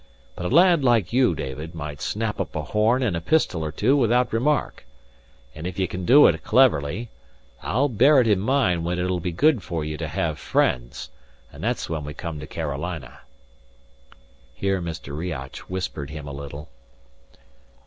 But a lad like you, David, might snap up a horn and a pistol or two without remark. And if ye can do it cleverly, I'll bear it in mind when it'll be good for you to have friends; and that's when we come to Carolina." Here Mr. Riach whispered him a little.